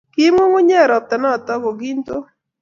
Kiib ng'ung'unyek robta noto ko kinto